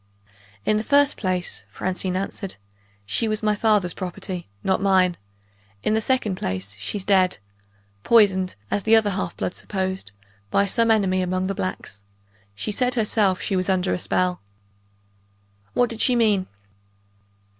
"In the first place," Francine answered, "she was my father's property, not mine. In the second place, she's dead. Poisoned, as the other half bloods supposed, by some enemy among the blacks. She said herself, she was under a spell!" "What did she mean?"